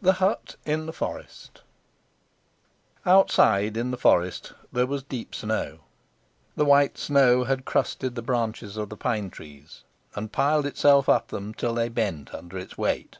THE HUT IN THE FOREST. Outside in the forest there was deep snow. The white snow had crusted the branches of the pine trees, and piled itself up them till they bent under its weight.